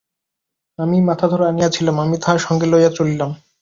আমিই মাথাধরা আনিয়াছিলাম, আমি তাহা সঙ্গে লইয়া চলিলাম।